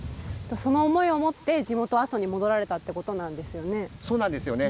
その思いをもって地元・阿蘇に戻られたということなんですよね。